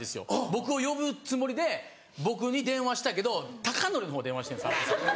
僕を呼ぶつもりで僕に電話したけど孝則の方電話してるんですアッコさん。